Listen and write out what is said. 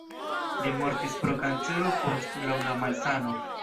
Li mortis pro kancero post longa malsano.